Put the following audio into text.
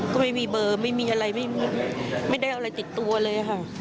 ก็ไม่มีเบอร์ไม่มีอะไรไม่ได้อะไรติดตัวเลยค่ะ